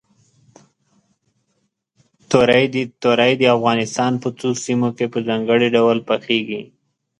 تورۍ د افغانستان په څو سیمو کې په ځانګړي ډول پخېږي.